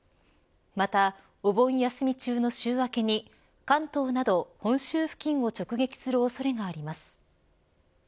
またお盆休み中の週明けに関東など本州付近を直撃する恐れがあります。